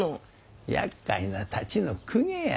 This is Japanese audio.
やっかいなタチの公家や。